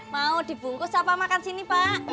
mau dibungkus apa makan sini pak